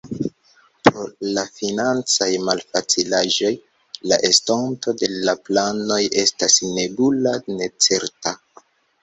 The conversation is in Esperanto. Pro la financaj malfacilaĵoj, la estonto de la planoj estas nebula, necerta.